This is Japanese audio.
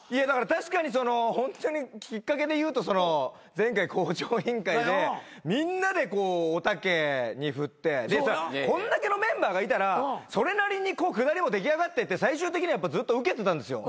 確かにきっかけで言うと前回『向上委員会』でみんなでおたけに振ってこんだけのメンバーがいたらそれなりにくだりも出来上がってって最終的にはずっとウケてたんですよ。